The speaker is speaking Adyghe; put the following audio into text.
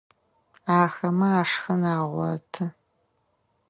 Ахэмэ ашхын агъоты.